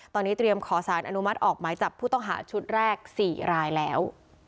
ตอนนี้เตรียมขอสารอนุมัติออกหมายจับผู้ต้องหาชุดแรก๔รายแล้ว